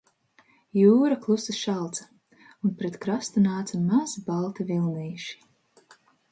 Jūra klusi šalca un pret krastu nāca mazi, balti vilnīši